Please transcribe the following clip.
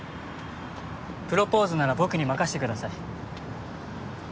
プロポーズなら僕に任せてください。